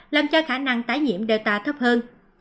làm cho khả năng tái nhiễm delta thấp hơn